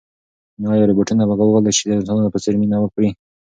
ایا روبوټونه به وکولای شي چې د انسانانو په څېر مینه وکړي؟